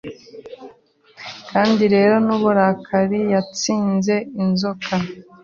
Kandi rero nuburakari Yatsinze Inzoka